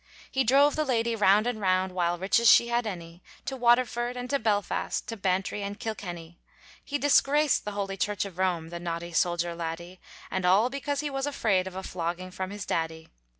He drove the lady round and round, While riches she had any; To Waterford and to Belfast, To Bantry and Kilkenny; He disgraced the Holy Church of Rome, The naughty soldier laddy, And all because he was afraid Of a flogging from his daddy.